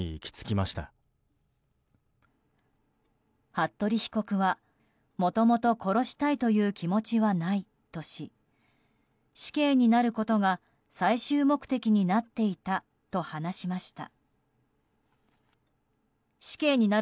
服部被告はもともと殺したいという気持ちはないとし死刑になることが最終目的になっていたと話しました。